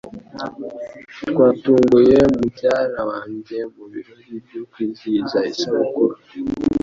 Twatunguye mubyara wanjye mubirori byo kwizihiza isabukuru.